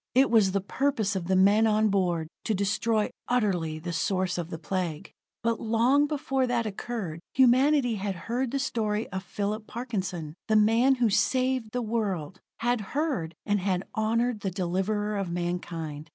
It was the purpose of the men on board to destroy utterly the source of the Plague. But long before that occurred, humanity had heard the story of Phillip Parkinson, the man who saved the world had heard, and had honored the deliverer of mankind.